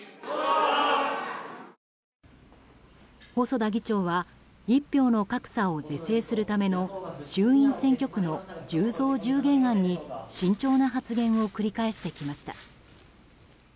細田議長は一票の格差を是正するために衆院選挙区の１０増１０減案に慎重な発言を繰り返してきました。